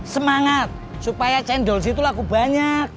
semangat supaya cendolsi itu laku banyak